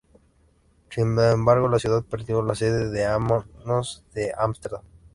Sin embargo la ciudad perdió la sede a manos de Ámsterdam.